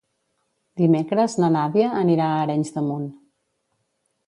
Dimecres na Nàdia anirà a Arenys de Munt.